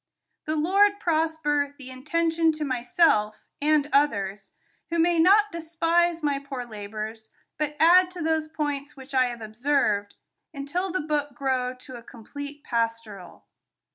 The Lord prosper the intention to myself, and others, who may not despise my poor labors, but add to those points which I have observed, until the book grow to a complete pastoral.